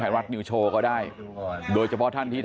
มันต้องการมาหาเรื่องมันจะมาแทงนะ